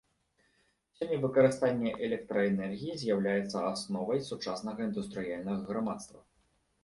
Сёння выкарыстанне электраэнергіі з'яўляецца асновай сучаснага індустрыяльнага грамадства.